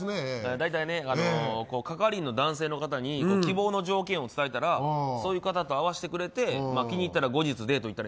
大体、係員の男性の方に希望の条件を伝えたらそういう方と合わせてくれて気に入ったら後日デート行ったり。